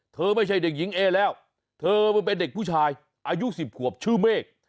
ไม่ใช่เด็กหญิงเอแล้วเธอมันเป็นเด็กผู้ชายอายุ๑๐ขวบชื่อเมฆ